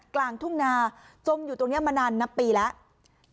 กลางทุ่งนาจมอยู่ตรงนี้มานานนับปีแล้ว